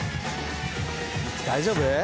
大丈夫？